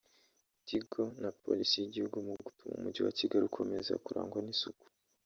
Tigo na Polisi y’igihugu mu gutuma umujyi wa Kigali ukomeza kurangwa n’isuku